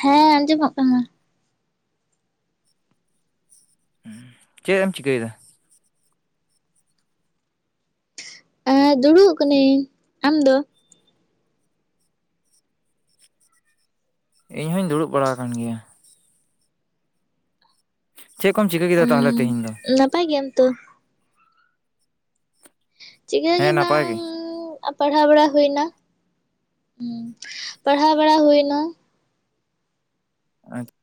ᱦᱮᱸ ᱟᱸᱡᱚᱢᱚᱜ ᱠᱟᱱᱟ᱾ ᱩᱸ ᱪᱮᱜ ᱮᱢ ᱪᱤᱠᱟᱹᱭᱮᱫᱟ? ᱮᱸ ᱫᱩᱲᱩᱵ ᱠᱟᱱᱤᱧ, ᱟᱢ ᱫᱚ? ᱤᱧ ᱦᱚᱸᱧ ᱫᱩᱲᱩᱵ ᱵᱟᱲᱟ ᱟᱠᱟᱱ ᱜᱮᱭᱟ, ᱪᱮᱫ ᱠᱚᱢ ᱪᱟᱠᱟᱹᱼᱼ ᱩᱸ ᱞᱟᱯᱟᱭ ᱜᱮᱭᱟᱢ ᱛᱚ? ᱪᱤᱠᱟᱹ ᱜᱮ ᱦᱮᱸ ᱱᱟᱯᱟᱭ ᱵᱟᱸᱝᱻ ᱟᱯᱼᱼ ᱯᱟᱲᱦᱟᱣ ᱵᱟᱲᱟ ᱦᱩᱭᱮᱱᱟ ᱦᱩᱸ ᱯᱟᱲᱦᱟᱣ ᱵᱟᱲᱟ ᱦᱩᱭᱮᱱᱟ, ᱟᱪᱪᱼᱼ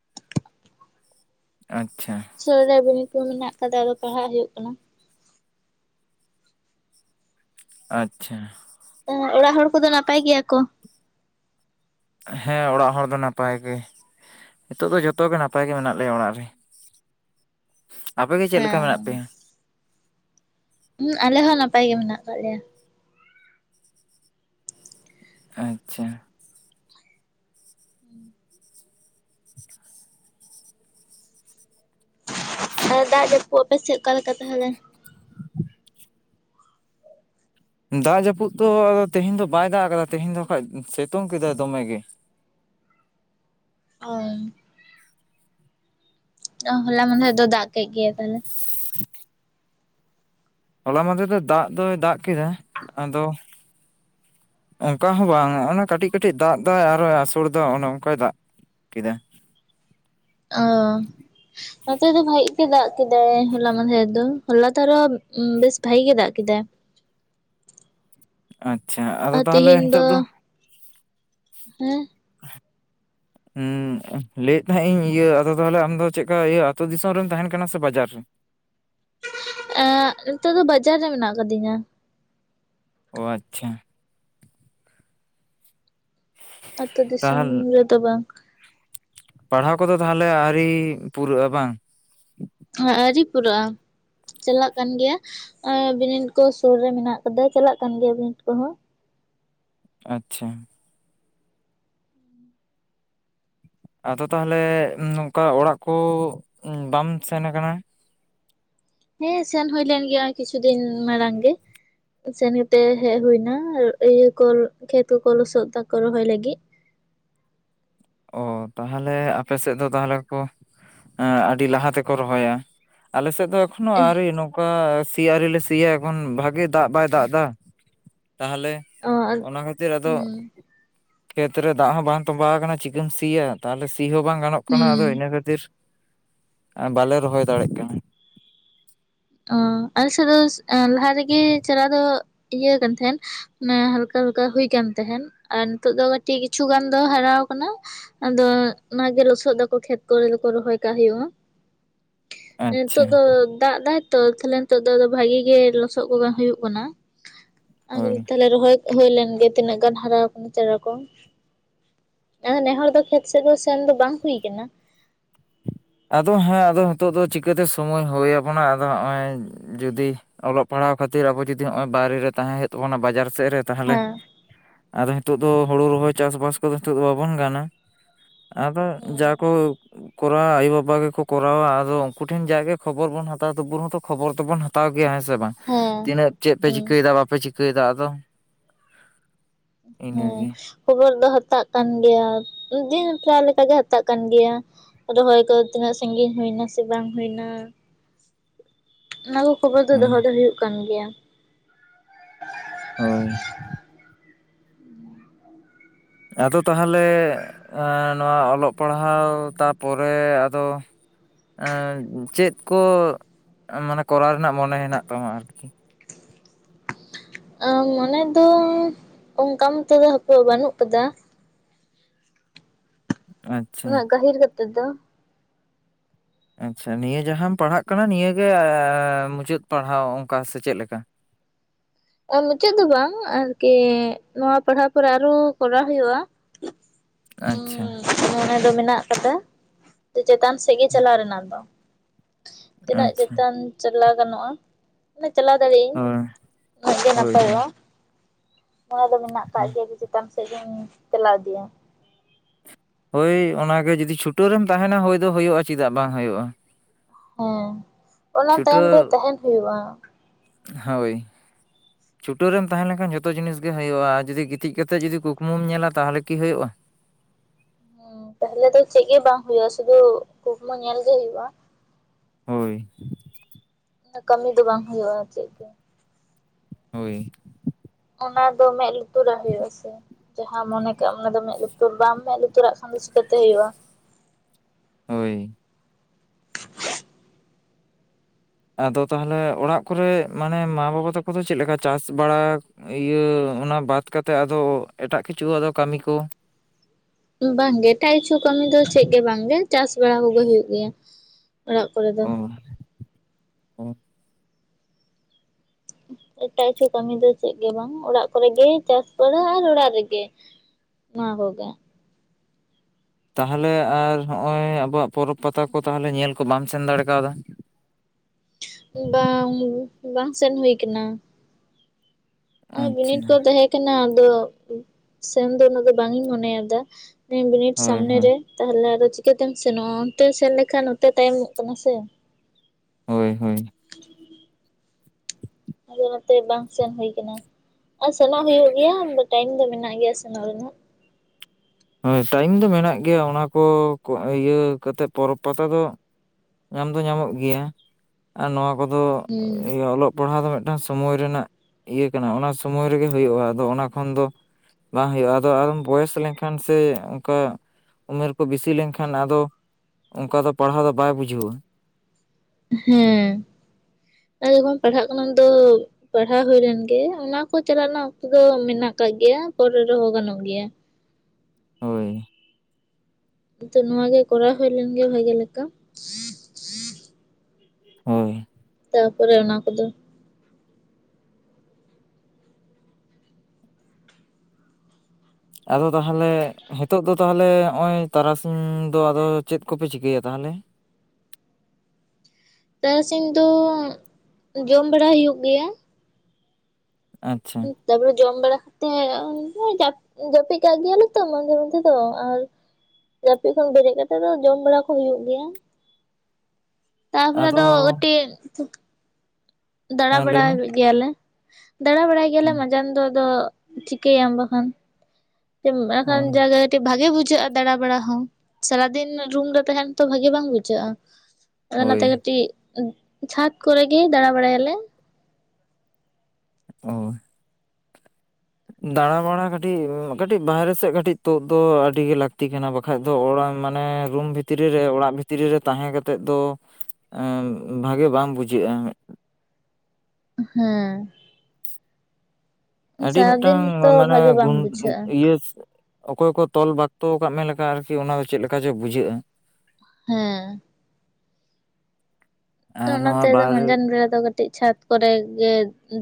ᱟᱪᱪᱷᱟ ᱥᱳᱨ ᱨᱮ ᱵᱤᱱᱤᱰ ᱠᱚᱸ ᱢᱮᱱᱟᱜ ᱠᱟᱫᱟ ᱟᱫᱚ ᱯᱟᱲᱦᱟᱜ ᱦᱩᱭᱩᱜ ᱠᱟᱱᱟ᱾ ᱟᱪᱪᱷᱟ ᱚᱸ ᱚᱲᱟᱜ ᱦᱚᱲ ᱠᱚᱫᱚ ᱱᱟᱯᱟᱭ ᱜᱮᱭᱟ ᱠᱚ? ᱦᱮᱸ ᱚᱲᱟᱜ ᱦᱚᱲ ᱫᱚ ᱱᱟᱯᱟᱭ ᱜᱮ ᱱᱤᱛᱚᱜ ᱫᱚ ᱡᱚᱛᱚᱜᱮ ᱱᱟᱯᱟᱭ ᱜᱮ ᱢᱮᱱᱟᱜ ᱞᱮᱭᱟ ᱚᱲᱟᱜ ᱨᱮ᱾ ᱟᱯᱮ ᱜᱮ ᱪᱮᱫ ᱞᱮᱠᱟ ᱦᱮᱸ ᱢᱮᱱᱟᱜ ᱯᱮᱭᱟ? ᱦᱩᱸ ᱟᱞᱮ ᱦᱚᱸ ᱱᱟᱯᱟᱭ ᱜᱮ ᱢᱮᱱᱟᱜ ᱠᱟᱜ ᱞᱮᱭᱟ᱾ ᱟᱪᱪᱷᱟ [inaudible] ᱟᱨ ᱫᱟᱜ ᱡᱟᱹᱯᱩᱫ ᱟᱯᱮ ᱥᱮᱫ ᱚᱠᱟ ᱞᱮᱠᱟ ᱛᱟᱦᱚᱞᱮ᱾ ᱫᱟᱜ ᱡᱟᱹᱯᱩᱫ ᱫᱚ ᱟᱫᱚ ᱛᱮᱦᱮᱧ ᱫᱚ ᱵᱟᱭ ᱫᱟᱜ ᱟᱠᱟᱫᱟ, ᱛᱮᱦᱮᱧ ᱫᱚ ᱠᱷᱟᱡ ᱥᱮᱛᱩᱝ ᱠᱮᱫᱟᱭ ᱫᱚᱢᱮ ᱜᱮ᱾ ᱦᱚᱭ [unintelligible] ᱦᱚᱞᱟ ᱢᱟᱱᱫᱷᱮᱨ ᱫᱚ ᱫᱟᱜ ᱠᱮᱜ ᱜᱮᱭᱟᱭ ᱛᱟᱦᱚᱞᱮ᱾ [inaudible] ᱦᱚᱞᱟ ᱢᱟᱸᱫᱷᱮᱨ ᱫᱚ ᱫᱟᱜ ᱫᱚᱭ ᱫᱟᱜ ᱠᱮᱫᱟ, ᱟᱫᱚ ᱚᱱᱠᱟ ᱦᱚᱸ ᱵᱟᱝ ᱚᱱᱟ ᱠᱟᱹᱴᱤᱡ ᱠᱟᱹᱴᱤᱡ ᱫᱟᱜ ᱫᱟᱭ ᱟᱨᱦᱚᱭ ᱟᱥᱟᱲ ᱫᱟ ᱚᱱᱮ ᱚᱱᱠᱟᱭ ᱫᱟᱜ ᱠᱮᱫᱟ᱾ ᱚ ᱱᱚᱛᱮ ᱫᱚ ᱵᱷᱟᱜᱤ ᱜᱮᱭ ᱫᱟᱜ ᱠᱮᱫᱟᱭ, ᱦᱚᱞᱟ ᱢᱟᱸᱫᱷᱮᱨ ᱨᱮ ᱫᱚ ᱦᱚᱞᱟ ᱫᱚ ᱟᱨᱚ ᱵᱮᱥ ᱵᱷᱟᱜᱤ ᱜᱮᱭ ᱫᱟᱜ ᱠᱮᱫᱟᱭ᱾ ᱟᱪᱪᱷᱟ, ᱟᱫᱚ ᱟᱨ ᱛᱟᱦᱚᱞᱮ ᱛᱤᱦᱤᱧ ᱱᱤᱛᱚᱜ ᱫᱚ ᱦᱮᱸ [inaudible] ᱦᱮᱸ ᱞᱟᱹᱭᱮᱫ ᱛᱟᱦᱮᱸᱱᱤᱧ ᱤᱭᱟᱹ ᱟᱫᱚ ᱛᱟᱦᱚᱞᱮ ᱟᱢᱫᱚ ᱪᱮᱫᱠᱟ ᱤᱭᱟᱹ ᱟᱹᱛᱳ ᱫᱤᱥᱚᱢ ᱨᱮᱢ ᱛᱟᱦᱮᱸᱱ ᱠᱟᱱᱟ ᱥᱮ ᱵᱟᱡᱟᱨ ᱨᱮ? ᱮᱸᱜ ᱱᱤᱛᱳᱜ ᱫᱚ ᱵᱟᱡᱟᱨ ᱨᱮ ᱢᱮᱱᱟᱜ ᱠᱟᱫᱤᱧᱟ᱾ ᱚ ᱟᱪᱪᱷᱟ ᱟᱹᱛᱳ ᱫᱤᱥᱚᱢ ᱛᱟᱦᱚᱞᱮ ᱨᱮᱫᱚ ᱵᱟᱝ᱾ ᱯᱟᱲᱦᱟᱣ ᱠᱚᱫᱚ ᱛᱟᱦᱚᱞᱮ ᱟᱹᱣᱨᱤ ᱯᱩᱨᱟᱹᱜᱼᱟ ᱵᱟᱝ? ᱦᱮᱸ ᱟᱹᱣᱨᱤ ᱯᱩᱨᱟ. ᱜᱼᱟ᱾ ᱪᱟᱞᱟᱜ ᱠᱟᱱ ᱜᱮᱭᱟ ᱵᱤᱱᱤᱰ ᱠᱚ ᱥᱩᱨ ᱨᱮ ᱢᱮᱱᱟᱜ ᱟᱠᱟᱫᱟ, ᱪᱟᱞᱟᱜ ᱠᱟᱱ ᱜᱮᱭᱟ ᱵᱤᱱᱤᱰ ᱠᱚᱦᱚᱸ᱾ ᱟᱪᱪᱷᱟ ᱟᱫᱚ ᱛᱟᱦᱚᱞᱮ ᱱᱚᱝᱠᱟ ᱚᱲᱟᱜ ᱠᱚ ᱵᱟᱢ ᱥᱮᱱ ᱟᱠᱟᱱᱟ? ᱦᱮᱸ ᱥᱮᱱ ᱦᱩᱭ ᱞᱮᱱ ᱜᱮᱭᱟ ᱠᱤᱪᱷᱩ ᱫᱤᱱ ᱢᱟᱲᱟᱝ ᱜᱮ᱾ ᱥᱮᱱ ᱠᱟᱛᱮ ᱦᱮᱡ ᱦᱩᱭᱱᱟ ᱟᱨ ᱤᱭᱟᱹ ᱠᱚ ᱠᱷᱮᱛ ᱠᱚ ᱠᱚ ᱞᱚᱥᱚᱫ ᱮᱫᱟᱠᱚ ᱨᱚᱦᱚᱭ ᱞᱟᱹᱜᱤᱫ᱾ ᱚ ᱛᱟᱦᱚᱞᱮ ᱟᱯᱮ ᱥᱮᱫ ᱫᱚ ᱛᱟᱦᱚᱞᱮ ᱠᱚ ᱟᱹᱰᱤ ᱞᱟᱦᱟ ᱛᱮᱠᱚ ᱨᱚᱦᱚᱭᱟ ᱟᱞᱮ ᱥᱮᱫ ᱫᱚ ᱮᱠᱷᱚᱱᱳ ᱟᱣᱨᱤ᱾ ᱚᱱᱠᱟ ᱥᱤ ᱟᱹᱣᱨᱤ ᱞᱮ ᱥᱤᱭᱟ ᱮᱠᱷᱚᱱ ᱵᱷᱟᱜᱮ ᱫᱟᱜ ᱵᱟᱭ ᱫᱟᱜ ᱮᱫᱟ ᱛᱟᱦᱚᱞᱮ, ᱚ ᱦᱩᱸ ᱚᱱᱟ ᱠᱷᱟᱹᱛᱤᱨ ᱟᱫᱚ ᱠᱷᱮᱛ ᱨᱮ ᱫᱟᱜ ᱦᱚᱸ ᱵᱟᱝ ᱛᱚᱸᱵᱟᱣ ᱠᱟᱱᱟ ᱪᱤᱠᱟᱹᱢ ᱥᱤᱭᱟ, ᱛᱟᱦᱚᱞᱮ ᱥᱤ ᱦᱚᱸ ᱵᱟᱝ ᱜᱟᱱᱚᱜ ᱠᱟᱱᱟ ᱟᱫᱚ ᱦᱩᱸ ᱤᱱᱟᱹ ᱠᱷᱟᱹᱛᱤᱨ ᱵᱟᱞᱮ ᱨᱚᱦᱚᱭ ᱫᱟᱲᱮᱜ ᱠᱟᱱᱟ᱾ ᱚ ᱟᱞᱮ ᱥᱮᱫ ᱫᱚ ᱞᱟᱦᱟ ᱨᱮᱜᱮ ᱪᱟᱨᱟ ᱫᱚ ᱤᱭᱟᱹ ᱠᱟᱱ ᱛᱟᱦᱮᱫ᱾ ᱦᱟᱞᱠᱟ ᱦᱟᱞᱠᱟ ᱦᱳᱭ ᱠᱟᱱ ᱛᱟᱦᱮᱸᱱ ᱟᱨ ᱱᱤᱛᱚᱜ ᱫᱚ ᱠᱟᱹᱴᱤᱡ ᱠᱤᱪᱷᱩ ᱜᱟᱱ ᱫᱚ ᱦᱟᱨᱟᱣ ᱠᱟᱱᱟ᱾ ᱟᱫᱚ ᱚᱱᱟ ᱜᱮ ᱞᱚᱥᱚᱫ ᱫᱟᱠᱚ ᱠᱷᱮᱛ ᱠᱚᱨᱮ ᱫᱚᱠᱚ ᱨᱚᱦᱚᱭ ᱠᱟᱜ ᱦᱩᱭᱩᱜᱼᱟ᱾ ᱟᱪᱪᱷᱟ ᱱᱤᱛᱳᱜ ᱫᱚ ᱫᱟᱜ ᱮᱫᱟᱭ᱾ ᱛᱚ ᱛᱟᱦᱚᱞᱮ ᱱᱤᱛᱚᱜ ᱫᱚ ᱵᱷᱟᱜᱤ ᱜᱮ ᱞᱚᱥᱚᱫ ᱠᱚ ᱵᱟᱝ ᱦᱩᱭᱩᱜ ᱠᱟᱱᱟ, ᱟᱫᱚ ᱦᱳᱭ ᱛᱟᱦᱚᱞᱮ ᱨᱚᱦᱚᱭ ᱦᱩᱭ ᱞᱮᱱ ᱜᱮ ᱛᱤᱱᱟᱹᱜ ᱜᱟᱱ ᱦᱟᱨᱟ ᱟᱠᱟᱱᱟ ᱪᱟᱨᱟ ᱠᱚ᱾ ᱱᱮᱦᱚᱲ ᱫᱚ ᱠᱷᱮᱛ ᱥᱮᱫ ᱫᱚ ᱥᱮᱱ ᱫᱚ ᱵᱟᱝ ᱦᱩᱭ ᱠᱟᱱᱟ᱾ ᱟᱫᱚ ᱦᱮᱸ ᱟᱫᱚ ᱦᱤᱛᱚᱜ ᱫᱚ ᱪᱤᱠᱟᱹᱛᱮ ᱥᱚᱢᱚᱭ ᱦᱳᱭ ᱟᱵᱚᱱᱟ ᱟᱫᱚ ᱦᱚᱸᱜᱼᱚᱭ ᱡᱩᱫᱤ ᱚᱞᱚᱜ ᱯᱟᱲᱦᱟᱣ ᱠᱷᱟᱹᱛᱤᱨ ᱟᱵᱚ ᱡᱩᱫᱤ ᱱᱚᱜᱼᱚᱭ ᱵᱟᱭᱨᱮ ᱨᱮ ᱛᱟᱦᱮᱸ ᱦᱩᱭᱩᱜ ᱛᱟᱵᱚᱱᱟ ᱵᱟᱡᱟᱨ ᱥᱮᱫ ᱨᱮ ᱛᱟᱦᱚᱞᱮ, ᱦᱮᱸ ᱟᱫᱚ ᱦᱤᱛᱚᱜ ᱫᱚ ᱦᱩᱲᱩ ᱨᱚᱦᱚᱭ ᱪᱟᱥᱵᱟᱥ ᱠᱚᱫᱚ ᱦᱤᱛᱚᱜ ᱫᱚ ᱵᱟᱵᱚᱱ ᱜᱟᱱᱟ᱾ ᱟᱫᱚ ᱡᱟ ᱠᱚ ᱠᱚᱨᱟᱣᱟ ᱟᱭᱳ ᱵᱟᱵᱟ᱾ ᱵᱟᱵᱟ ᱜᱮᱠᱚ ᱠᱚᱨᱟᱣᱟ ᱟᱫᱚ ᱩᱱᱠᱩ ᱴᱷᱮᱱ ᱡᱟ ᱜᱮ ᱠᱷᱚᱵᱚᱨ ᱵᱚᱱ ᱦᱟᱛᱟᱣ ᱛᱚᱵᱩ ᱦᱚᱸ ᱛᱚ ᱠᱷᱚᱵᱚᱨ ᱫᱚᱵᱚᱱ ᱦᱟᱛᱟᱣ ᱜᱮᱭᱟ ᱦᱮᱸ ᱥᱮ ᱵᱟᱝ᱾ ᱦᱮᱸ ᱛᱤᱱᱟᱹᱜ ᱪᱮᱫ ᱯᱮ ᱦᱮᱸ ᱪᱤᱠᱟᱹᱭᱫᱟ ᱵᱟᱯᱮ ᱪᱤᱠᱟᱹᱭᱫᱟ ᱟᱫᱚ᱾ ᱦᱩᱸ ᱤᱱᱟᱹᱜᱮ ᱠᱷᱚᱵᱚᱨ ᱫᱚ ᱦᱟᱛᱟᱜ ᱠᱟᱱ ᱜᱮᱭᱟ ᱫᱤᱱ ᱯᱨᱟᱭ ᱞᱮᱠᱟ ᱜᱮ ᱦᱟᱛᱟᱜ ᱠᱟᱱ ᱜᱮᱭᱟ᱾ ᱨᱚᱦᱚᱭ ᱠᱚ ᱛᱤᱱᱟᱹᱜ ᱥᱟᱺᱜᱤᱧ ᱦᱩᱭᱱᱟ ᱥᱮ ᱵᱟᱝ ᱦᱩᱭᱱᱟ ᱚᱱᱟ ᱠᱚ᱾ ᱠᱷᱚᱵᱚᱨ ᱫᱚ ᱦᱮᱸ ᱫᱚᱦᱚ ᱫᱚ ᱦᱩᱭᱩᱜ ᱠᱟᱱ ᱜᱮᱭᱟ᱾ ᱦᱳᱭ ᱟᱫᱚ ᱛᱟᱦᱚᱞᱮ ᱱᱚᱣᱟ ᱚᱞᱚᱜ ᱯᱟᱲᱦᱟᱣ ᱛᱟᱯᱚᱨᱮ ᱟᱫᱚ᱾ ᱮᱸ ᱪᱮᱫ ᱠᱚ ᱢᱟᱱᱮ ᱠᱚᱨᱟᱣ ᱨᱮᱱᱟᱜ ᱢᱚᱱᱮ ᱦᱮᱱᱟᱜ ᱛᱟᱢᱟ ᱟᱨᱠᱤ᱾ ᱮᱸ ᱢᱚᱱᱮ ᱫᱚ ᱚᱱᱠᱟ ᱢᱚᱛᱚ ᱦᱟᱯᱮ ᱵᱟᱹᱱᱩᱜ ᱠᱟᱫᱟ᱾ ᱟᱪᱪᱷᱟ ᱩᱱᱟ. ᱜ ᱜᱟᱦᱤᱨ ᱠᱟᱛᱮᱜ ᱫᱚ᱾ ᱟᱪᱪᱷᱟ ᱱᱤᱭᱟᱹ ᱡᱟᱸᱦᱟᱢ ᱯᱟᱲᱦᱟᱜ ᱠᱟᱱᱟ ᱱᱤᱭᱟᱹᱜᱮ ᱢᱩᱪᱟᱹᱫ ᱯᱟᱲᱦᱟᱣ ᱚᱱᱠᱟ ᱥᱮ ᱪᱮᱫᱞ ᱞᱮᱠᱟ᱾ ᱢᱩᱪᱟᱹᱫ ᱫᱚ ᱵᱟᱝ ᱟᱨᱠᱤ ᱱᱚᱣᱟ ᱯᱟᱲᱦᱟᱣ ᱯᱚᱨᱮ ᱟᱨᱚ ᱠᱚᱨᱟᱣ ᱦᱩᱭᱩᱜᱼᱟ᱾ ᱟᱪᱪᱷᱟ ᱢᱚᱱᱮ ᱫᱚ ᱢᱮᱱᱟᱜ ᱠᱟᱫᱟ ᱪᱮᱸᱛᱟᱱ ᱥᱮᱫ ᱜᱮ ᱪᱟᱞᱟᱣ ᱨᱮᱱᱟᱜ ᱫᱚ᱾ ᱛᱤᱱᱟᱹᱜ ᱟᱪᱪᱷᱟ ᱪᱮᱛᱟᱱ ᱪᱟᱞᱟᱣ ᱜᱟᱱᱚᱜᱼᱟ ᱢᱟᱱᱮ ᱪᱟᱞᱟᱣ ᱫᱟᱲᱮᱤᱧ᱾ ᱦᱩᱸ ᱩᱱᱟ. ᱜ ᱜᱮ ᱱᱟᱯᱟᱭᱚᱜᱼᱟ᱾ ᱢᱚᱱᱮ ᱫᱚ ᱢᱮᱱᱟᱜ ᱠᱟᱫ ᱜᱮᱭᱟ ᱪᱮᱸᱛᱟᱱ ᱥᱮᱫ ᱜᱤᱧ ᱪᱟᱞᱟᱣ ᱤᱫᱤᱭᱟ᱾ ᱦᱳᱭ ᱚᱱᱟᱜᱮ ᱡᱩᱫᱤ ᱪᱷᱩᱴᱟᱹᱣ ᱨᱮᱢ ᱛᱟᱸᱦᱮᱱᱟ ᱦᱳᱭ ᱫᱚ ᱦᱳᱭᱳᱜᱼᱟ ᱪᱮᱫᱟᱜ ᱵᱟᱝ ᱦᱩᱭᱩᱜᱼᱟ᱾ ᱦᱮᱸ ᱚᱱᱟ ᱛᱟᱭᱚᱢ ᱛᱮ ᱪᱷᱩᱴᱟᱹᱣ ᱛᱟᱸᱦᱮᱱ ᱦᱩᱭᱩᱜᱼᱟ᱾ ᱦᱳᱭ ᱪᱷᱩᱴᱟᱹ ᱨᱮᱢ ᱛᱟᱦᱮᱸ ᱞᱮᱱᱠᱷᱟᱱ ᱡᱚᱛᱚ ᱡᱤᱱᱤᱥ ᱜᱮ ᱦᱩᱭᱩᱜᱼᱟ, ᱟᱨ ᱡᱩᱫᱤ ᱜᱤᱛᱤᱡ ᱠᱟᱛᱮ ᱡᱩᱫᱤ ᱠᱩᱠᱢᱩᱢ ᱧᱮᱞᱟ ᱛᱟᱦᱚᱞᱮ ᱠᱤ ᱦᱩᱭᱩᱜᱼᱟ᱾ ᱛᱟᱦᱞᱮ ᱫᱚ ᱪᱮᱫ ᱜᱮ ᱵᱟᱝ ᱦᱳᱭᱳᱜᱼᱟ ᱥᱩᱫᱩ ᱠᱩᱠᱢᱚ ᱧᱮᱞ ᱜᱮ ᱦᱳᱭᱳᱜᱼᱟ᱾ ᱦᱳᱭ ᱠᱟᱹᱢᱤ ᱫᱚ ᱵᱟᱝ ᱦᱩᱭᱩᱜᱼᱟ ᱪᱮᱫ ᱜᱮ᱾ ᱦᱳᱭ ᱚᱱᱟ ᱫᱚ ᱢᱮᱸᱫ ᱞᱩᱛᱩᱨᱟᱜ ᱦᱩᱭᱩᱜᱼᱟ ᱥᱮ ᱡᱟᱸᱦᱟ ᱢᱚᱱᱮ ᱟᱜ ᱚᱱᱟ ᱫᱚ ᱢᱮᱫ ᱞᱩᱛᱩᱨ ᱵᱟᱝ ᱢᱮᱫ ᱞᱩᱛᱩᱨᱟᱜ ᱠᱷᱟᱱ ᱫᱚ ᱪᱤᱠᱟᱹᱛᱮ ᱦᱩᱭᱩᱜᱼᱟ᱾ ᱦᱳᱭ ᱟᱫᱚ ᱛᱟᱦᱚᱞᱮ ᱚᱲᱟᱜ ᱠᱚᱨᱮ ᱢᱟᱱᱮ ᱢᱟ ᱵᱟᱵᱟ ᱛᱟᱠᱚ ᱫᱚ ᱪᱮᱫ ᱞᱮᱠᱟ ᱪᱟᱥ ᱵᱟᱲᱟ᱾ ᱤᱭᱟᱹ ᱚᱱᱟ ᱵᱟᱫ ᱠᱟ ᱠᱟᱛᱮᱫ ᱟᱫᱚ ᱮᱴᱟᱜ ᱠᱤᱪᱷᱩ ᱟᱫᱚ ᱠᱟᱹᱢᱤ ᱠᱚ᱾ ᱵᱟᱝᱜᱮ ᱮᱴᱟᱜ ᱠᱤᱪᱷᱩ ᱠᱟᱹᱢᱤ ᱫᱚ ᱪᱮᱫ ᱜᱮ ᱵᱟᱝᱜᱮ ᱪᱟᱥ ᱵᱟᱲᱟ ᱠᱚᱜᱮ ᱦᱩᱭᱩᱜ ᱜᱮᱭᱟ᱾ ᱚᱲᱟᱜ ᱠᱚᱨᱮ ᱫᱚ ᱚᱸ ᱚ ᱮᱴᱟᱜ ᱠᱤᱪᱷᱩ ᱠᱟᱹᱢᱤ ᱫᱚ ᱪᱮᱫ ᱜᱮ ᱵᱟᱝ ᱚᱲᱟᱜ ᱠᱚᱨᱮᱜᱮ ᱪᱟᱥ ᱠᱚᱫᱚ ᱟᱨ ᱚᱲᱟᱜ ᱨᱮᱜᱮ᱾ ᱚᱱᱟ ᱠᱚᱜᱮ ᱛᱟᱦᱚᱞᱮ ᱟᱨ ᱦᱚᱜᱼᱚᱭ ᱟᱵᱚᱣᱟᱜ ᱯᱚᱨᱚᱵᱽ ᱯᱟᱛᱟ ᱠᱚ ᱛᱟᱦᱚᱞᱮ ᱧᱮᱞ ᱠᱚ ᱵᱟᱢ ᱥᱮᱱ ᱫᱟᱲᱮ ᱠᱟᱣᱫᱟ᱾ ᱵᱟᱝ ᱵᱟᱝ ᱥᱮᱱ ᱦᱩᱭ ᱠᱟᱱᱟ᱾ ᱚᱸ ᱟᱪᱪᱷᱟ ᱵᱤᱱᱤᱰ ᱠᱚ ᱛᱟᱸᱦᱮ ᱠᱟᱱᱟ ᱟᱫᱚ ᱥᱮᱱ ᱫᱚ ᱩᱱᱟᱹᱜ ᱫᱚ ᱵᱟᱝ ᱤᱧ ᱢᱚᱱᱮ ᱟᱫᱟᱜᱼᱟ᱾ ᱢᱮᱫᱟᱧ ᱵᱤᱱᱤᱰ ᱦᱳᱭ ᱥᱟᱢᱱᱮ ᱦᱳᱭ ᱨᱮ ᱛᱟᱦᱚᱞᱮ ᱟᱫᱚ ᱪᱤᱠᱟᱹᱛᱮᱢ ᱥᱮᱱᱚᱜᱼᱟ, ᱚᱱᱛᱮᱢ ᱥᱮᱱ ᱞᱮᱠᱷᱟᱱ ᱚᱱᱛᱮ ᱛᱟᱭᱚᱢᱚᱜ ᱠᱟᱱᱟ ᱥᱮ᱾ ᱦᱳᱭ ᱦᱳᱭ ᱟᱫᱚ ᱱᱚᱛᱮ ᱵᱟᱝ ᱥᱮᱱ ᱦᱩᱭ ᱟᱠᱟᱱᱟ ᱟᱨ ᱥᱮᱱᱚᱜ ᱦᱩᱭᱩᱜ ᱜᱮᱭᱟ ᱴᱟᱭᱤᱢ ᱫᱚ ᱢᱮᱱᱟᱜ ᱜᱮᱭᱟ ᱥᱮᱱᱚᱜ ᱨᱮᱱᱟᱜ᱾ ᱦᱳᱭ ᱴᱟᱭᱤᱢ ᱫᱚ ᱢᱮᱱᱟᱜ ᱜᱮᱭᱟ ᱚᱱᱟ ᱠᱚ ᱤᱭᱟᱹ ᱠᱟᱛᱮᱫ ᱯᱚᱨᱚᱵᱽ ᱯᱟᱛᱟ ᱫᱚ᱾ ᱧᱟᱢ ᱫᱚ ᱧᱟᱢᱚᱜ ᱜᱮᱭᱟ ᱟᱨ ᱱᱚᱣᱟ ᱠᱚᱫᱚ ᱦᱮᱸ ᱚᱞᱚᱜ᱾ ᱯᱟᱲᱦᱟᱣ ᱫᱚ ᱢᱤᱫᱴᱟᱱ ᱥᱚᱢᱚᱭ ᱨᱮᱱᱟᱜ ᱤᱭᱟᱹ ᱠᱟᱱᱟ ᱚᱱᱟ ᱥᱚᱢᱚᱭ ᱨᱮᱜᱮ ᱦᱩᱭᱩᱜᱼᱟ ᱟᱫᱚ ᱚᱱᱟ ᱠᱷᱚᱱ ᱫᱚ᱾ ᱵᱟᱝ ᱦᱩᱭᱩᱜᱼᱟ ᱟᱫᱚ ᱟᱨᱦᱚᱢ ᱵᱚᱭᱮᱥ ᱞᱮᱱᱠᱷᱟᱱ ᱠᱷᱟᱱ ᱥᱮ ᱚᱱᱠᱟ ᱩᱢᱮᱨ ᱠᱚ ᱵᱤᱥᱤ ᱞᱮᱱᱠᱷᱟᱱ ᱟᱫᱚ ᱚᱱᱠᱟ ᱫᱚ ᱯᱟᱲᱦᱟᱣ ᱫᱚ ᱵᱟᱭ ᱵᱩᱡᱷᱟᱹᱣᱟ᱾ ᱦᱮᱸ ᱟᱨ ᱡᱚᱠᱦᱚᱱ ᱯᱟᱲᱦᱟᱜ ᱠᱟᱱᱟᱢ ᱫᱚ, ᱯᱟᱲᱦᱟᱣ ᱦᱩᱭ ᱞᱮᱱᱜᱮ ᱚᱱᱟ ᱠᱚ ᱪᱟᱞᱟᱜ ᱨᱮᱱᱟᱜ ᱚᱠᱛᱚ ᱫᱚ ᱢᱮᱱᱟᱜ ᱟᱠᱟᱜ ᱜᱮᱭᱟ, ᱯᱚᱨᱮ ᱨᱮᱦᱚ ᱜᱟᱱᱚᱜ ᱜᱮᱭᱟ᱾ ᱦᱳᱭ ᱱᱤᱛᱚᱜ ᱱᱚᱣᱟ ᱜᱮ ᱠᱚᱨᱟᱣ ᱦᱩᱭ ᱞᱮᱱ ᱜᱮ ᱵᱷᱟᱜᱤ ᱞᱮᱠᱟ᱾ ᱦᱳᱭ ᱛᱟᱯᱚᱨᱮ ᱚᱱᱟ ᱠᱚᱫᱚ ᱟᱫᱚ ᱛᱟᱦᱚᱞᱮ ᱱᱤᱛᱳᱜ ᱫᱚ ᱛᱟᱦᱚᱞᱮ ᱱᱚᱜᱼᱚᱭ ᱛᱟᱨᱟᱥᱤᱧ ᱫᱚ ᱟᱫᱚ ᱪᱮᱫ ᱠᱚᱯᱮ ᱪᱤᱠᱟᱹᱭᱟ ᱛᱟᱦᱚᱞᱮ? ᱛᱟᱨᱟᱥᱤᱧ ᱫᱚ ᱡᱚᱢ ᱵᱟᱲᱟ ᱦᱩᱭᱩᱜ ᱜᱮᱭᱟ᱾ ᱟᱪᱪᱷᱟ ᱛᱟᱨᱯᱚᱨ ᱡᱚᱢ ᱵᱟᱲᱟ ᱦᱟᱛᱮ ᱳ ᱡᱟᱯ ᱡᱟᱹᱯᱤᱫ ᱠᱟᱜ ᱜᱮᱭᱟᱞᱮ ᱛᱚ ᱢᱟᱡᱷᱮ ᱢᱟᱡᱷᱮ ᱫᱚ ᱟᱨ ᱡᱟᱹᱯᱤᱫ ᱠᱷᱚᱱ ᱵᱮᱨᱮᱫ ᱠᱟᱛᱮᱜ ᱫᱚ ᱡᱚᱢ ᱵᱟᱲᱟ ᱠᱚ ᱦᱩᱭᱩᱜ ᱜᱮᱭᱟ᱾ ᱛᱟᱯᱚᱨᱮ ᱟᱫᱚ ᱫᱚ ᱚᱴᱮᱱ ᱫᱟᱬᱟ ᱦᱮᱸ ᱞᱟᱹᱭ ᱵᱟᱲᱟᱭ ᱢᱮ ᱦᱩᱭ ᱜᱮᱭᱟᱞᱮ ᱫᱟᱬᱟ ᱵᱟᱲᱟᱭ ᱜᱮᱭᱟᱞᱮ ᱢᱟᱡᱟᱱ ᱫᱚ ᱟᱫᱚ ᱪᱤᱠᱟᱹᱭᱟᱢ ᱵᱟᱠᱷᱟᱱ᱾ ᱮᱠᱷᱟᱱ ᱡᱟᱜᱟ ᱵᱷᱟᱜᱮ ᱵᱩᱡᱷᱟᱹᱜᱼᱟ ᱫᱟᱬᱟᱵᱲᱟ ᱦᱚᱸ, ᱥᱟᱨᱟᱫᱤᱱ ᱨᱩᱢ ᱨᱮ ᱛᱟᱦᱮᱱ ᱛᱚ ᱵᱷᱟᱜᱤ ᱵᱟᱝ ᱵᱩᱡᱷᱟᱹᱜᱼᱟ᱾ ᱟᱫᱚ ᱦᱳᱭ ᱚᱱᱟᱛᱮ ᱠᱟᱹᱴᱤᱡ ᱪᱷᱟᱫᱽ ᱠᱚᱨᱮ ᱜᱮ ᱫᱟᱬᱟ ᱵᱟᱲᱟᱭᱟᱞᱮ᱾ ᱦᱚᱭ ᱫᱟᱬᱟ ᱵᱟᱲᱟ ᱠᱟᱹᱴᱤᱡ ᱠᱟᱹᱴᱤᱡ ᱵᱟᱦᱨᱮ ᱥᱮᱫ ᱠᱟᱹᱴᱤᱡ ᱛᱩᱫ ᱫᱚ ᱟᱹᱰᱤᱜᱮ ᱞᱟᱹᱠᱛᱤ ᱠᱟᱱᱟ᱾ ᱵᱟᱝᱠᱷᱟᱡ ᱫᱚ ᱚᱲᱟᱜ ᱢᱟᱱᱮ ᱨᱩᱢ ᱵᱷᱤᱛᱨᱤ ᱨᱮ ᱚᱲᱟᱜ ᱵᱷᱤᱛᱨᱤ ᱨᱮ ᱛᱟᱦᱮᱸ ᱠᱟᱛᱮᱫ ᱫᱚ ᱵᱷᱟᱜᱮ ᱵᱟᱝ ᱵᱩᱡᱷᱟᱹᱜᱼᱟ ᱢᱤᱫ ᱦᱮᱸ ᱟᱹᱰᱤ ᱥᱟᱨᱟᱫᱤᱱ ᱢᱤᱜᱴᱟᱝ ᱛᱚ ᱢᱟᱱᱮ ᱵᱷᱟᱜᱮ ᱵᱟᱝ ᱜᱩᱱ ᱵᱩᱡᱷᱟᱹᱜᱼᱟ ᱤᱭᱟᱹ ᱚᱠᱚᱭ ᱠᱚ ᱛᱚᱞ ᱵᱟᱠᱛᱚ ᱠᱟᱜ ᱢᱮ ᱞᱮᱠᱟ, ᱟᱨᱠᱤ ᱚᱱᱟ ᱫᱚ ᱪᱮᱜ ᱞᱮᱠᱟ ᱡᱮ ᱵᱩᱡᱷᱟᱹᱜᱼᱟ᱾ ᱦᱮᱸ ᱛᱚ ᱟᱨ ᱚᱱᱟ ᱱᱚᱣᱟ ᱛᱮᱫᱚ ᱵᱟᱨ ᱢᱟᱡᱟᱱ ᱵᱮᱲᱟ ᱫᱚ ᱠᱟᱹ ᱴᱤᱡ ᱪᱷᱟᱫ ᱠᱚᱨᱮ ᱜᱮ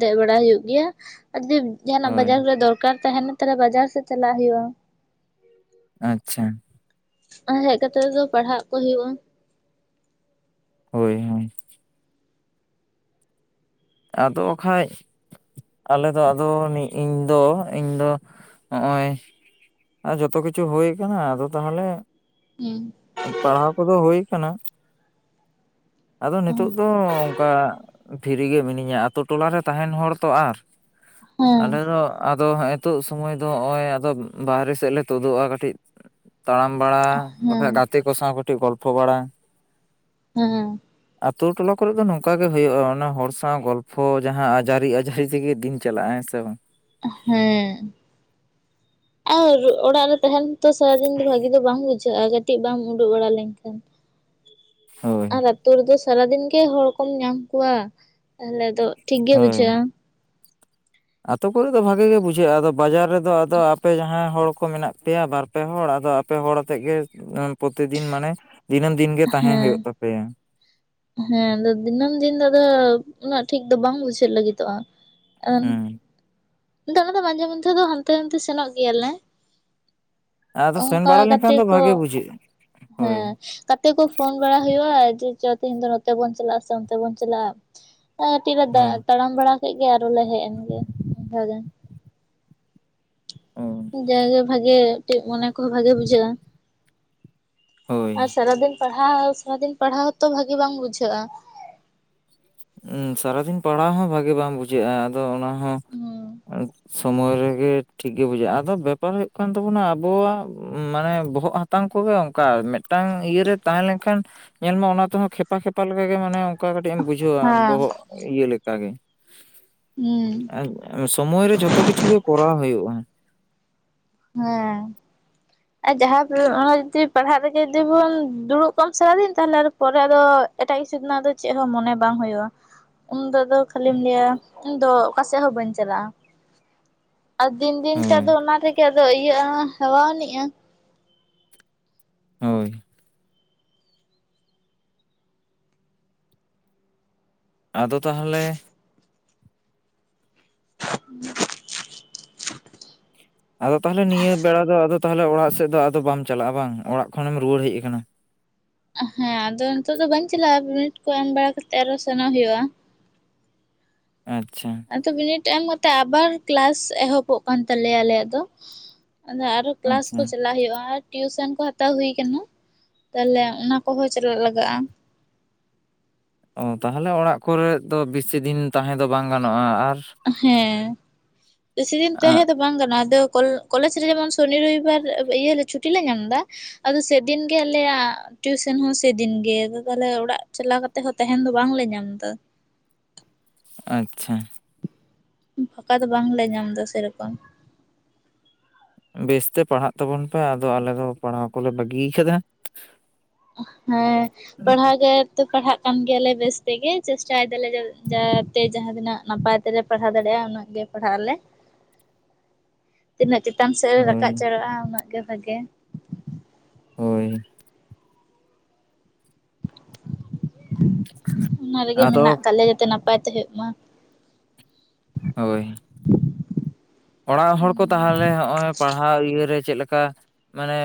ᱫᱮᱡ ᱵᱟᱲᱟ ᱦᱩᱭᱩᱜ ᱜᱮᱭᱟ ᱟᱨ ᱡᱩᱫᱤ ᱡᱟᱦᱟᱱᱟᱜ ᱦᱳᱭ ᱵᱟᱡᱟᱨ ᱨᱮ ᱫᱚᱨᱠᱟᱨ ᱛᱟᱦᱮᱱᱟ ᱛᱟᱦᱮᱞᱮ ᱵᱟᱡᱟᱨ ᱥᱮᱫ ᱪᱟᱞᱟᱜ ᱦᱩᱭᱩᱜᱼᱟ᱾ ᱟᱪᱪᱷᱟ ᱟᱨ ᱦᱮᱜ ᱠᱟᱛᱮᱜ ᱫᱚ ᱯᱟᱲᱦᱟᱜ ᱠᱚ ᱦᱩᱭᱩᱜᱼᱟ᱾ ᱦᱳᱭ ᱦᱳᱭ ᱟᱫᱚ ᱠᱟᱷᱟᱡ, ᱟᱞᱮ ᱫᱚ ᱟᱫᱚ, ᱢᱤᱜ ᱤᱧ ᱫᱚ ᱤᱧ ᱫᱚ ᱦᱚᱜᱼᱚᱭ᱾ ᱡᱚᱛᱚ ᱠᱤᱪᱷᱩ ᱦᱩᱭ ᱠᱟᱱᱟ ᱟᱫᱚ ᱛᱟᱦᱚᱸᱞᱮ ᱦᱩᱸ ᱯᱟᱲᱦᱟᱣ ᱠᱚᱫᱚ ᱦᱩᱭ ᱠᱟᱱᱟ, ᱟᱫᱚ ᱦᱮᱸ ᱱᱤᱛᱚᱜ ᱫᱚ ᱚᱝᱠᱟ ᱯᱷᱤᱨᱤ ᱜᱮ ᱢᱤᱱᱟᱹᱧᱟ᱾ ᱟᱛᱳ ᱴᱚᱞᱟ ᱨᱮ ᱛᱟᱦᱮᱱ ᱦᱚᱲ ᱛᱚ ᱟᱨ ᱟᱞᱮ ᱫᱚ ᱟᱫᱚ ᱦᱮᱜ ᱮ ᱛᱳᱜ ᱥᱚᱢᱚᱭ ᱫᱚ ᱦᱚᱜᱼᱚᱭ ᱟᱫᱚ ᱵᱟᱦᱮᱨᱮ ᱥᱮᱜ ᱞᱮ ᱛᱳᱫᱳᱜᱼᱟ ᱠᱟᱹᱴᱤᱡ᱾ ᱛᱟᱲᱟᱢ ᱵᱟᱲᱟ ᱦᱮᱸ ᱵᱟᱠᱷᱟᱡ ᱜᱟᱛᱮ ᱠᱚ ᱥᱟᱶ ᱠᱟᱹᱴᱤᱡ ᱜᱚᱞᱯᱷᱚ ᱵᱟᱲᱟ, ᱦᱮᱸ ᱟᱛᱳ ᱴᱚᱞᱟ ᱠᱚᱨᱮ ᱫᱚ ᱱᱚᱝᱠᱟ ᱜᱮ ᱦᱳᱭᱳᱜᱼᱟ᱾ ᱚᱱᱟ ᱦᱚᱲ ᱥᱟᱶ ᱜᱚᱞ ᱯᱷᱚ ᱡᱟᱦᱟᱸ ᱟᱡᱟᱨᱤ, ᱟᱡᱟᱨᱤ ᱛᱮᱜᱮ ᱫᱤᱱ ᱪᱟᱞᱟᱜᱼᱟ ᱦᱮᱸ ᱥᱮ ᱵᱟᱝ᱾ ᱦᱮᱸ [unintelligible] [inaudible] ᱟᱨ ᱚᱲᱟᱜ ᱨᱮ ᱛᱟᱦᱮᱱ ᱛᱚ ᱥᱟᱨᱟ ᱫᱤᱱ ᱫᱚ ᱵᱷᱟᱹᱜᱤ ᱫᱚ ᱵᱟᱝ ᱵᱩᱡᱷᱟᱹᱜᱼᱟ᱾ ᱠᱟᱹᱴᱤᱡ ᱵᱟᱢ ᱩᱰᱩᱠ ᱵᱟᱲᱟ ᱞᱮᱱᱠᱷᱟᱱ [unintelligible] [inaudible] ᱦᱳᱭ ᱟᱨ ᱟᱹᱛᱩ ᱨᱮ ᱫᱚ ᱥᱟᱨᱟᱫᱤᱱ ᱜᱮ ᱦᱚᱲ ᱠᱚᱢ ᱧᱟᱢ ᱠᱚᱣᱟ, ᱛᱟᱦᱚᱞᱮ ᱫᱚ ᱴᱷᱤᱠ ᱜᱮ ᱵᱩᱡᱷᱟᱹᱜᱼᱟ᱾ ᱟᱹᱛᱩ ᱠᱚᱨᱮ ᱫᱚ ᱵᱷᱟᱹᱜᱮ ᱜᱮ ᱵᱩᱡᱷᱟᱹᱜᱼᱟ᱾ ᱟᱫᱚ ᱵᱟᱡᱟᱨ ᱨᱮᱫᱚ ᱟᱫᱚ ᱟᱯᱮ ᱡᱟᱦᱟᱸᱭ ᱦᱚᱲ ᱠᱚ ᱢᱮᱱᱟᱜ ᱯᱮᱭᱟ ᱵᱟᱨ ᱯᱮ ᱦᱚᱲ ᱟᱫᱚ ᱟᱯᱮ ᱦᱚᱲ ᱟᱛᱮᱜ ᱜᱮ ᱯᱚᱛᱤᱫᱤᱱ ᱢᱟᱱᱮ ᱫᱤᱱᱟᱹᱢ ᱫᱤᱱ ᱜᱮ ᱛᱟᱦᱮᱸ ᱦᱮᱸ ᱦᱩᱭᱩᱜ ᱛᱟᱯᱮᱭᱟ᱾ ᱦᱮᱸ ᱟᱫᱚ ᱫᱤᱱᱟᱹᱢ ᱫᱤᱱ ᱫᱚ ᱟᱫᱚ ᱩᱱᱟᱹᱜ ᱴᱷᱤᱠ ᱫᱚ ᱵᱟᱝ ᱵᱩᱡᱷᱟᱹᱜ ᱞᱟᱹᱜᱤᱫᱚᱜᱼᱟ᱾ ᱟᱱ, ᱦᱮᱸ [unintelligible] ᱢᱟᱡᱷᱮ ᱢᱚᱫᱫᱷᱮ ᱫᱚ ᱦᱟᱱᱛᱮ ᱱᱟᱛᱮ ᱥᱮᱱᱚᱜ ᱜᱮᱭᱟᱞᱮ᱾ ᱟᱫᱚ ᱥᱮᱱ ᱚᱱᱠᱟ ᱵᱟᱲᱟ ᱞᱮᱱᱠᱷᱟᱱ ᱜᱟᱛᱮ ᱫᱚ ᱠᱚ, ᱵᱷᱟᱜᱮ ᱵᱩᱡᱷᱟᱹᱜᱼᱟ ᱦᱳᱭ ᱦᱮᱸ ᱜᱟᱛᱮ ᱠᱚ ᱯᱷᱳᱱ ᱵᱟᱲᱟ ᱦᱩᱭᱩᱜᱼᱟ, ᱡᱮ ᱪᱚ ᱛᱮᱦᱮᱱ ᱫᱚ ᱱᱚᱛᱮ ᱵᱚᱱ ᱪᱟᱞᱟᱜᱼᱟ ᱥᱮ ᱚᱱᱛᱮ ᱵᱚᱱ ᱪᱟᱞᱟᱜᱼᱟ, ᱟᱨ ᱠᱟᱹᱴᱤᱡ ᱞᱮ ᱦᱩᱸ ᱛᱟᱲᱟᱢ ᱵᱟᱲᱟ ᱠᱮᱜ ᱜᱮ, ᱟᱨᱚ ᱞᱮ ᱦᱮᱜ ᱮᱱ ᱜᱮ ᱚᱱᱠᱟ ᱜᱮ᱾ ᱚ ᱡᱟᱭᱜᱮ ᱵᱷᱟᱜᱮ ᱠᱟᱹᱴᱤᱡ ᱢᱚᱱᱮ ᱠᱚᱦᱚᱸ ᱵᱷᱟᱹᱜᱮ ᱵᱩᱡᱷᱟᱹᱜᱼᱟ, ᱦᱳᱭ ᱟᱨ ᱥᱟᱨᱟ ᱫᱤᱱ ᱯᱟᱲᱦᱟᱣ ᱥᱟᱨᱟ ᱫᱤᱱ ᱯᱟᱲᱦᱟᱣ ᱦᱚᱸᱛᱚ ᱵᱷᱟᱹᱜᱤ ᱵᱟᱝ ᱵᱩᱡᱷᱟᱹᱜᱼᱟ᱾ ᱥᱟᱨᱟᱫᱤᱱ ᱯᱟᱲᱦᱟᱣ ᱦᱚᱸ ᱵᱷᱟᱹᱜᱮ ᱵᱟᱝ ᱵᱩᱡᱷᱟᱹᱜᱼᱟ, ᱟᱫᱚ ᱚᱱᱟ ᱦᱚᱸ ᱦᱩᱸ ᱥᱚᱢᱳᱭ ᱨᱮᱜᱮ ᱴᱷᱤᱠ ᱜᱮ ᱵᱩᱡᱷᱟᱹᱜᱼᱟ᱾ ᱟᱫᱚ ᱵᱮᱯᱟᱨ ᱦᱩᱭᱩᱜ ᱠᱟᱱ ᱛᱟᱵᱚᱱᱟ, ᱟᱵᱚᱣᱟᱜ ᱢᱟᱱᱮ ᱵᱚᱦᱚᱜ ᱦᱟ ᱛᱟᱝ ᱠᱚᱜᱮ ᱚᱱᱠᱟ, ᱢᱮᱫᱴᱟᱝ ᱤᱭᱟᱹ ᱨᱮ ᱛᱟᱦᱮᱸ ᱞᱮᱱᱠᱷᱟᱱ ᱧᱮᱞ ᱢᱮ ᱚᱱᱟ ᱛᱮᱦᱚᱸ ᱠᱷᱮᱯᱟ ᱠᱷᱮᱯᱟ ᱞᱮᱠᱟᱜᱮ, ᱢᱟᱱᱮ ᱚᱝᱠᱟ ᱠᱟᱹᱴᱤᱡ ᱮᱢ ᱵᱩᱡᱷᱟᱹᱣᱟ᱾ ᱦᱮᱸ ᱵᱚᱦᱚᱜ ᱤᱭᱟᱹ ᱞᱮᱠᱟ ᱜᱮ᱾ ᱦᱩᱸ ᱥᱚᱢᱚᱭ ᱨᱮ ᱡᱷᱚᱛᱚ ᱠᱤᱪᱷᱩ ᱜᱮ ᱠᱚᱨᱟᱣ ᱦᱩᱭᱩᱜᱼᱟ᱾ ᱦᱮᱸ᱾ [unintelligible] [inaudible] ᱟᱨ ᱡᱟᱦᱟᱸ ᱚᱱᱟ ᱡᱩᱫᱤ ᱯᱟᱲᱦᱟᱜ ᱨᱮᱜᱮ ᱡᱩᱫᱤ ᱵᱚᱱ ᱫᱩᱲᱩᱵ ᱠᱚᱜᱟᱢ ᱥᱟᱨᱟ ᱫᱤᱱ ᱛᱟᱦᱚᱸᱞᱮ ᱟᱨᱦᱚᱸ ᱯᱚᱨᱮ ᱟᱫᱚ ᱮᱴᱟᱜ ᱠᱤᱪᱷᱩ ᱨᱮᱱᱟᱜ ᱫᱚ ᱪᱮᱜ ᱦᱚᱸ ᱢᱚᱱᱮ ᱵᱟᱝ ᱦᱳᱭᱳᱜᱼᱟ, ᱩᱱᱫᱚ ᱠᱷᱟᱹᱞᱤᱢ ᱞᱟᱹᱭᱟ ᱤᱧᱫᱚ ᱚᱠᱟ ᱥᱮᱫ ᱦᱚᱸ ᱵᱟᱹᱧ ᱪᱟᱞᱟᱜᱼᱟ᱾ ᱟᱨ ᱫᱤᱱ ᱫᱤᱱ ᱛᱮ ᱟᱫᱚ ᱦᱳᱭ ᱚᱱᱟ ᱨᱮᱜᱮ ᱟᱫᱚ ᱤᱭᱟᱹᱜᱼᱟ, ᱦᱮᱣᱟᱣᱱᱤᱜᱼᱟ᱾ ᱦᱳᱭ᱾ ᱟᱫᱚ ᱛᱟᱦᱚᱸᱞᱮ [inaudible] ᱟᱫᱚ ᱛᱟᱦᱚᱞᱮ ᱱᱤᱭᱟᱹ ᱵᱮᱲᱟ ᱫᱚ ᱟᱫᱚ ᱛᱟᱦᱚᱸᱞᱮ ᱚᱲᱟᱜ ᱥᱮᱜ ᱫᱚ ᱟᱫᱚ ᱵᱟᱢ ᱪᱟᱞᱟᱜᱼᱟ, ᱵᱟᱝ ᱚᱲᱟᱜ ᱠᱷᱚᱱᱮᱢ ᱨᱩᱣᱟᱹᱲ ᱦᱮᱡ ᱟᱠᱟᱱᱟ᱾ ᱦᱮᱸ ᱟᱫᱚ ᱱᱤᱛᱚᱜ ᱫᱚ ᱵᱟᱹᱧ ᱪᱟᱞᱟᱜᱼᱟ, ᱵᱤᱱᱤᱰ ᱠᱚ ᱮᱢ ᱵᱟᱲᱟ ᱠᱟᱛᱮᱫ ᱟᱨ ᱦᱚᱸ ᱥᱮᱱᱚᱜ ᱦᱩᱭᱩᱜᱼᱟ᱾ ᱟᱪᱪᱷᱟ᱾ ᱟᱫᱚ ᱵᱤᱱᱤᱰ ᱮᱢ ᱠᱟᱛᱮ ᱟᱵᱟᱨ ᱠᱞᱟᱥ ᱮᱦᱚᱵᱚᱜ ᱠᱟᱱ ᱛᱟᱞᱮᱭᱟ, ᱟᱞᱮᱭᱟᱜ ᱫᱚ᱾ ᱟᱫᱚ ᱟᱨ ᱦᱚᱸ ᱠᱞᱟᱥ ᱟᱪᱪᱷᱟ ᱠᱚ ᱪᱟᱞᱟᱜ ᱦᱩᱭᱩᱜᱼᱟ᱾ ᱴᱤᱭᱩᱥᱮᱱ ᱠᱚ ᱦᱟᱛᱟᱣ ᱦᱩᱭ ᱟᱠᱟᱱᱟ᱾ ᱛᱟᱦᱚᱞᱮ ᱚᱱᱟ ᱠᱚ ᱦᱚᱸ ᱪᱟᱞᱟᱜ ᱦᱩᱭᱩᱜ ᱼᱟ᱾ ᱚ ᱛᱟᱦᱚᱞᱮ ᱚᱲᱟᱜ ᱠᱚᱨᱮ ᱫᱚ ᱵᱮᱥᱤ ᱫᱤᱱ ᱛᱟᱦᱮᱸ ᱫᱚ ᱵᱟᱝ ᱜᱟᱱᱚᱜᱼᱟ, ᱟᱨ ᱦᱮᱸᱻ, ᱵᱮᱥᱤ ᱫᱤᱱ ᱛᱟᱦᱮᱸ ᱫᱚ ᱵᱟᱝ ᱜᱟᱱᱚᱜᱼᱟ᱾ ᱟᱫᱚ ᱠᱚᱞᱮᱡᱽ ᱨᱮ ᱡᱮᱢᱚᱱ ᱥᱚᱱᱤ ᱨᱚᱵᱤᱵᱟᱨ ᱤᱭᱟᱹ ᱪᱷᱩᱴᱤ ᱞᱮ ᱧᱟᱢ ᱮᱫᱟ ᱟᱫᱚ ᱥᱮ ᱫᱤᱱ ᱜᱮ ᱟᱞᱮᱭᱟᱜ ᱴᱤᱭᱩᱥᱮᱱ ᱦᱚᱸ ᱥᱮ ᱫᱤᱱ ᱜᱮ᱾ ᱛᱟᱦᱚᱞᱮ ᱚᱲᱟᱜ ᱪᱟᱞᱟᱣ ᱠᱟᱛᱮᱫ ᱦᱚᱸ ᱛᱟᱦᱮᱱ ᱫᱚ ᱵᱟᱝ ᱞᱮ ᱧᱟᱢ ᱮᱫᱟ᱾ ᱟᱪᱪᱷᱟ᱾ ᱯᱷᱟᱠᱟ ᱫᱚ ᱵᱟᱝ ᱞᱮ ᱧᱟᱢ ᱮᱫᱟ ᱥᱮ ᱨᱚᱠᱚᱢ᱾ ᱵᱮᱥ ᱛᱮ ᱯᱟᱲᱦᱟᱜ ᱛᱟᱵᱚᱱ ᱯᱮ? ᱟᱫᱚ ᱟᱞᱮ ᱫᱚ ᱯᱟᱲᱦᱟᱣ ᱠᱚ ᱞᱮ ᱵᱟᱹᱜᱤ ᱟᱠᱟᱫᱟ᱾ ᱦᱮᱸ ᱯᱟᱲᱦᱟᱣ ᱜᱮ ᱛᱚ ᱯᱟᱲᱦᱟᱜ ᱠᱟᱱ ᱜᱮᱭᱟ ᱞᱮ ᱵᱮᱥ ᱛᱮ ᱜᱮ᱾ ᱪᱮᱥᱴᱟ ᱮᱫᱟ ᱞᱮ ᱡᱟᱛᱮ ᱡᱟᱦᱟᱸ ᱛᱤᱱᱟᱹᱜ ᱱᱟᱯᱟᱭ [unintelligible] ᱯᱟᱲᱦᱟᱣ ᱫᱟᱲᱮᱭᱟᱜᱼᱟ ᱩᱱᱟᱹᱜ ᱜᱮ ᱯᱟᱲᱦᱟᱜ ᱟᱞᱮ᱾ [inaudible] ᱛᱤᱱᱟᱹᱜ ᱪᱮᱛᱟᱱ ᱥᱮᱫ ᱨᱟᱠᱟᱵ ᱦᱳᱭ ᱪᱟᱞᱟᱜᱼᱟ ᱩᱱᱟᱹᱜ ᱜᱮ ᱵᱷᱟᱜᱮ ᱦᱚᱭ ᱚᱱᱟ ᱨᱮᱜᱮ ᱢᱮᱱᱟᱜ ᱟᱫᱚ ᱠᱟᱜ ᱞᱮᱭᱟ ᱡᱟᱛᱮ ᱱᱟᱯᱟᱭ ᱛᱮ ᱦᱩᱭᱩᱜ ᱢᱟ᱾ ᱦᱚᱭ ᱚᱲᱟᱜ ᱦᱚᱲ ᱠᱚ ᱛᱟᱦᱚᱞᱮ ᱱᱚᱜᱼᱚᱭ ᱯᱟᱲᱦᱟᱣ ᱤᱭᱟᱹ ᱨᱮ ᱪᱮᱜ ᱞᱮᱠᱟ ᱢᱟᱱᱮ,